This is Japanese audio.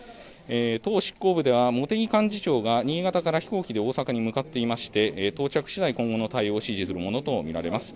党執行部では茂木幹事長が新潟から飛行機で大阪に向かっていまして到着しだい今後の対応指示するものと見られます。